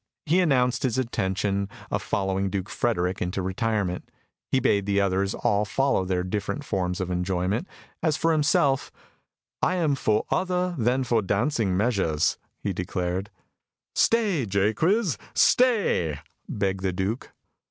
He announced his intention of following Duke Frederick into retirement. He bade the others all follow their different forms of enjoyment, as for himself, "I am for other than for dancing measures," he declared. "Stay, Jaques stay," begged the Duke.